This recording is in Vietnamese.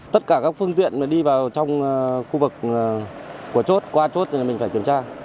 tất cả các phương tiện đi vào trong khu vực của chốt qua chốt mình phải kiểm tra